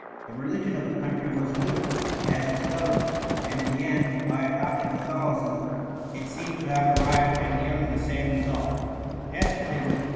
The religion of the country was mutable as its government; and in the end, by adopting Catholicism, it seemed VOL. I. B £ THE MUMMY. to have arrived at nearly the same result : des potism.